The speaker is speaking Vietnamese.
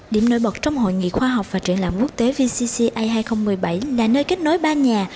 điểm nổi bật trong hội nghị khoa học và triển lãm quốc tế vcca hai nghìn một mươi bảy là nơi kết nối ba nhà